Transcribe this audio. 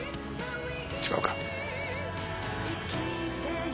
違うか？